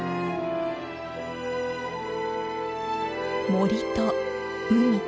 森と海。